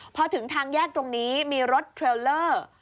พอถึงทางแยกตรงนี้มีรถเทรลเลอร์